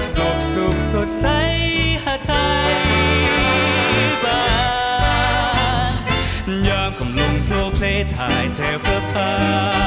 สบสุขสดใสหาไทยบายาวคำลุงเพลิงเพลทายแถวประพา